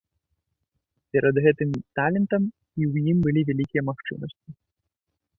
Перад гэтым талентам і ў ім былі вялікія магчымасці.